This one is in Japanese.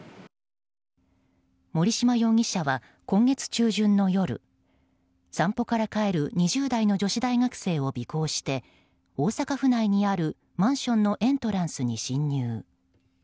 森島容疑者は、今月中旬の夜散歩から帰る２０代の女子大学生を尾行して、大阪府内にあるマンションのエントランスに侵入。